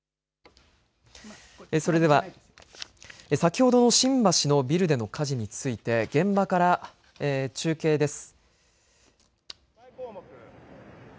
それでは先ほど新橋のビルでの火事について現場から中継です。